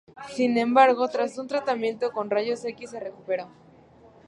Sin embargo, tras un tratamiento con rayos X se recuperó.